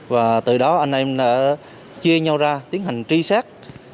và từ đó anh em đã chia nhau ra tiến hành truy xét